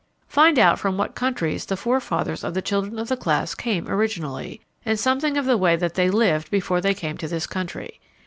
Find out from what countries the forefathers of the children of the class came originally, and something of the way that they lived before they came to this country.